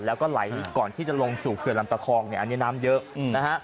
แล้วก็ไหลก่อนที่จะลงสู่เขื่อนลำตะคองเนี่ยอันนี้น้ำเยอะนะฮะ